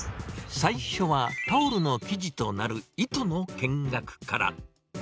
最初はタオルの生地となる糸の見学から。